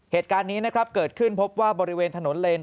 เหตุการณ์นี้นะครับเกิดขึ้นพบว่าบริเวณถนนเลน